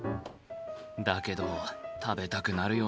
だけど食べたくなるよな。